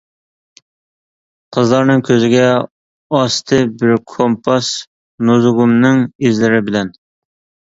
قىزلارنىڭ كۆزىگە ئاستى بىر كومپاس نۇزۇگۇمنىڭ ئىزلىرى بىلەن.